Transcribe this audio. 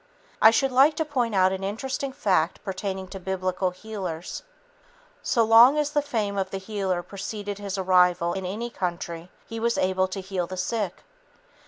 I should like to point out an interesting fact pertaining to Biblical healers. So long as the fame of the healer preceded his arrival in any country, he was able to heal the sick.